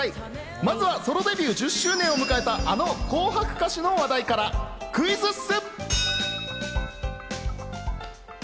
まずはソロデビュー１０周年を迎えた、あの紅白歌手の話題からクイズッス！